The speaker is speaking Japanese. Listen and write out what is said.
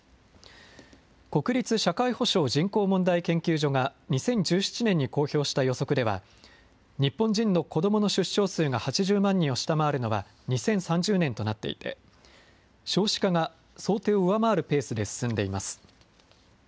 国立社会保障・人口問題研究所が、２０１７年に公表した予測では、日本人の子どもの出生数が８０万人を下回るのは２０３０年となっていて、少子化が想定を上回るペースで進んでいます。